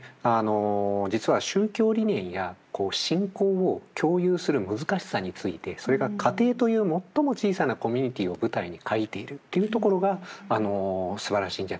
実は宗教理念や信仰を共有する難しさについてそれが家庭という最も小さなコミュニティーを舞台に書いているというところがすばらしいんじゃないかな。